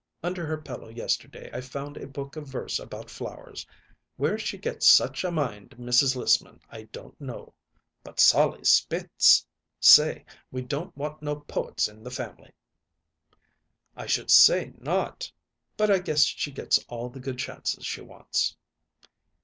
Under her pillow yesterday I found a book of verses about flowers. Where she gets such a mind, Mrs. Lissman, I don't know. But Sollie Spitz! Say, we don't want no poets in the family." "I should say not! But I guess she gets all the good chances she wants."